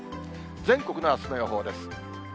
全国のあすの予報です。